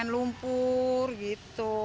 main lumpur gitu